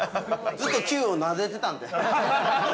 ◆ずっとＱをなでてたんで。